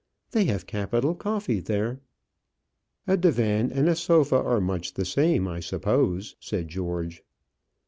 "They have capital coffee there." "A divan and a sofa are much the same, I suppose," said George.